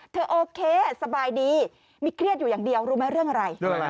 โอเคสบายดีมีเครียดอยู่อย่างเดียวรู้ไหมเรื่องอะไร